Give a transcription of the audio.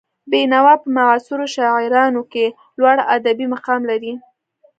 بېنوا په معاصرو شاعرانو کې لوړ ادبي مقام لري.